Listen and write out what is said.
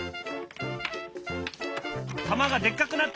玉がでっかくなった！